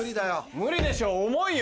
無理でしょ重いよ。